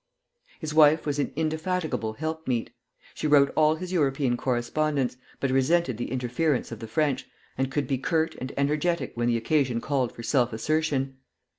His wife was an indefatigable helpmeet. She wrote all his European correspondence, but resented the interference of the French, and could be curt and energetic when the occasion called for self assertion.